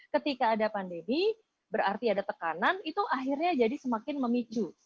ketika ada pandemi berarti ada tekanan itu akhirnya jadi semakin memicu